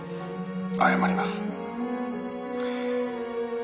謝ります。